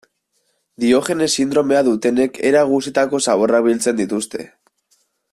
Diogenes sindromea dutenek era guztietako zaborrak biltzen dituzte.